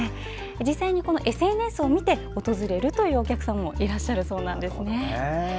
実際に、ＳＮＳを見て訪れるお客さんもいらっしゃるそうです。